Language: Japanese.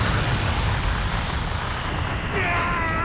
うわ！